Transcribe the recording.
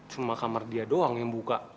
cuma kamar dia doang yang buka